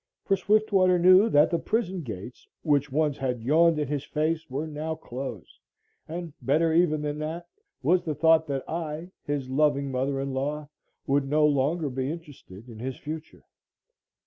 For Swiftwater knew that the prison gates which once had yawned in his face were now closed, and, better even than that, was the thought that I his loving mother in law would no longer be interested in his future.